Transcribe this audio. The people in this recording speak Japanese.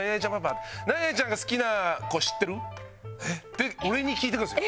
「何々ちゃんが好きな子知ってる？」って俺に聞いて来るんすよ。